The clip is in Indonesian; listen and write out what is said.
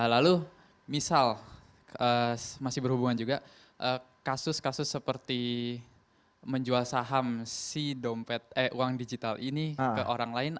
lalu misal masih berhubungan juga kasus kasus seperti menjual saham si dompet eh uang digital ini ke orang lain